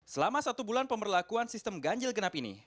selama satu bulan pemberlakuan sistem ganjil genap ini